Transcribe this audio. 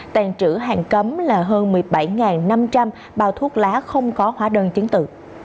tàn trữ hàng cấm là hơn một mươi bảy năm trăm linh bao thuốc lá không có hóa đơn chứng tự